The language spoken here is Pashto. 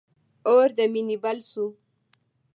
اور د مینی بل سو